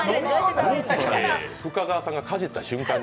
深川さんがかじった瞬間に。